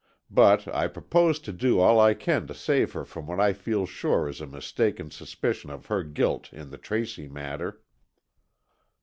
But, I propose to do all I can to save her from what I feel sure is a mistaken suspicion of her guilt in the Tracy matter."